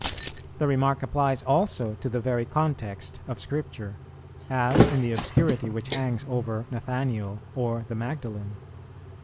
The remark applies also to the very context of Scripture, as in the obscurity which hangs over Nathanael or the Magdalen.